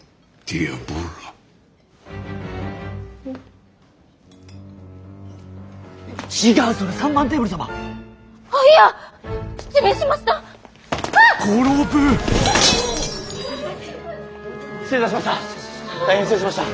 大変失礼しました。